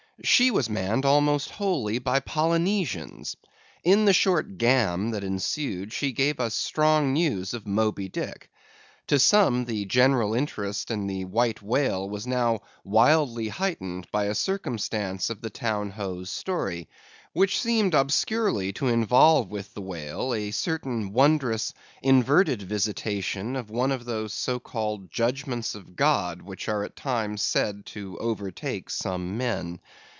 She was manned almost wholly by Polynesians. In the short gam that ensued she gave us strong news of Moby Dick. To some the general interest in the White Whale was now wildly heightened by a circumstance of the Town Ho's story, which seemed obscurely to involve with the whale a certain wondrous, inverted visitation of one of those so called judgments of God which at times are said to overtake some men.